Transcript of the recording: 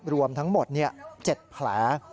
รวมทั้งหมด๗แผล